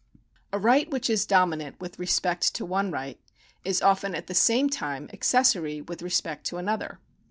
A right which is dominant with respect to one right, is often at the same time accessory with respect to another.